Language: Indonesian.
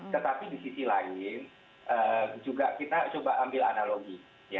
tetapi di sisi lain juga kita coba ambil analogi